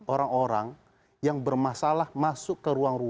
orang orang yang bermasalah masuk ke ruang ruang